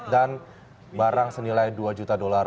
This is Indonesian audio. dan barang senilai dua juta dolar